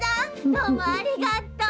どうもありがとう。